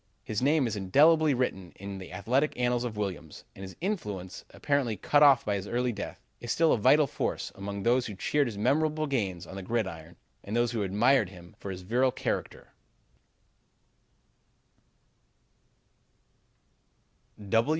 "His name is indelibly written in the athletic annals of Williams, and his influence, apparently cut off by his early death, is still a vital force among those who cheered his memorable gains on the gridiron and who admired him for his virile character."